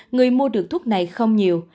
người mua được thuốc này không nhiều